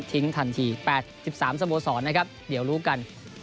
ทันที๘๓สโมสรนะครับเดี๋ยวรู้กัน